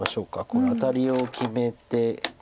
このアタリを決めて。